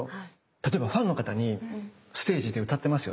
例えばファンの方にステージで歌ってますよね？